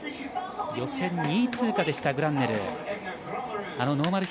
予選２位通過でしたグランネルー。